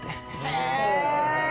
へえ！